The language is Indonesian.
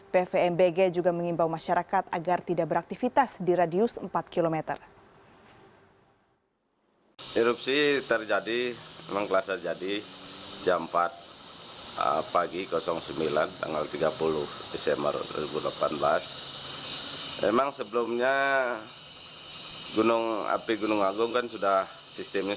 pvmbg juga mengimbau masyarakat agar tidak beraktivitas di radius empat km